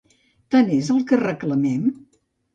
Tant és el que reclamem?